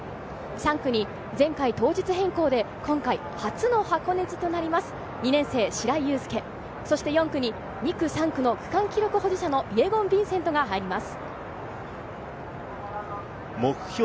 ３区に前回、当日変更で今回初の箱根路となります、２年生、白井勇佑、そして４区に２区、３区の区間記録保持者のイェゴン・ヴィンセントが入ります。